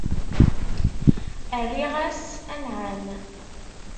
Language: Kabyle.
Rriɣ-as: Anɛam.